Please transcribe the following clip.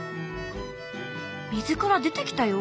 水から出てきたよ。